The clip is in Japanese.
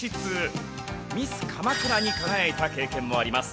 ミス鎌倉に輝いた経験もあります。